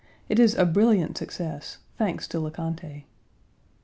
It is a brilliant success, thanks to Le Conte.